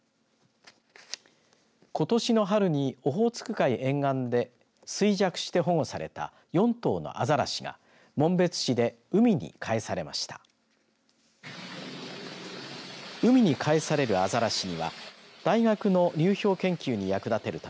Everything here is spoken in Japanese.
ことしの春にオホーツク海沿岸で衰弱して保護された４頭のアザラシが紋別市で海に帰されました。